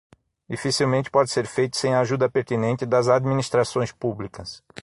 Dificilmente pode ser feito sem a ajuda pertinente das administrações públicas.